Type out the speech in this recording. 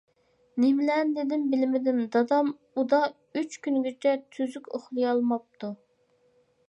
نېمىلەرنى دېدى بىلمىدىم، دادام ئۇدا ئۈچ كۈنگىچە تۈزۈك ئۇخلىيالماپتۇ.